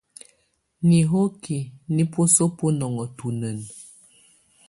Nihokiǝ nɛ̀ buǝ́suǝ́ bunɔnɔ tunǝn.